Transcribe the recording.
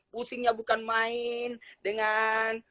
pusingnya bukan main dengan